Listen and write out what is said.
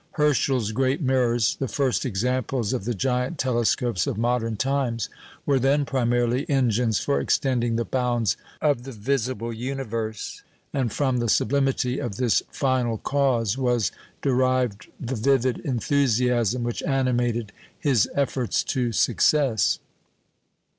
Herschel's great mirrors the first examples of the giant telescopes of modern times were then primarily engines for extending the bounds of the visible universe; and from the sublimity of this "final cause" was derived the vivid enthusiasm which animated his efforts to success.